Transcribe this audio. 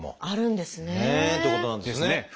あるんですね。ということなんですよね。